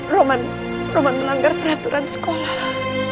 roman roman melanggar peraturan sekolah